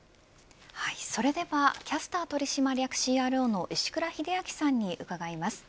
それではキャスター取締役ＣＲＯの石倉秀明さんに伺います。